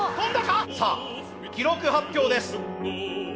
さあ記録発表です。